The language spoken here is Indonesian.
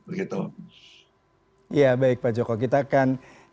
sudah lagi untuk melihatnya di video selanjutnya terima kasih terima kasih terima kasih terima kasih